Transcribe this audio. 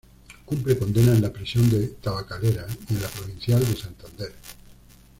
Cumple condena en la prisión de Tabacalera y en la provincial de Santander.